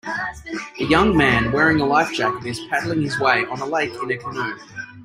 A young man wearing a life jacket is paddling his way on a lake in a canoe.